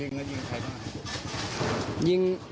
ยิงใครตลอด